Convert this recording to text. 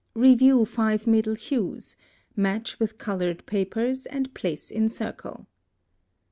Review FIVE MIDDLE HUES, match with colored papers, and place in circle.